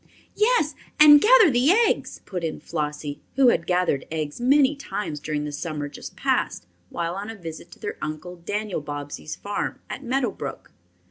"Yes, and gather the eggs," put in Flossie, who had gathered eggs many times during the summer just past, while on a visit to their Uncle Daniel Bobbsey's farm at Meadow Brook.